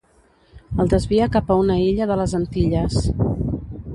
El desvia cap a una illa de les Antilles.